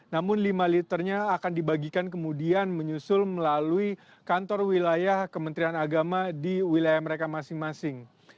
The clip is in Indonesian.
namun lima liternya akan dibagikan kemudian menyusul melalui kantor wilayah kementerian agama di wilayah mereka masing masing